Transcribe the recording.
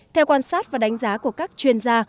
theo quan sát và đánh giá của các chuyên gia